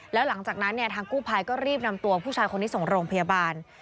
แล้วหลังจากนั้นเนี่ยทางกู้ภัยก็รีบนำตัวผู้ชายคนนี้ส่งโรงพยาบาล